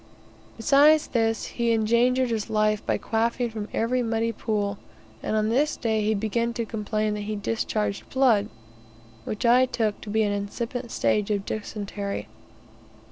Besides this, he endangered his life by quaffing from every muddy pool; and on this day he began to complain that he discharged blood, which I took to be an incipient stage of dysentery.